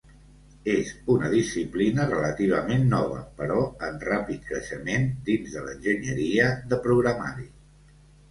És una disciplina relativament nova, però en ràpid creixement dins de l'enginyeria de programari.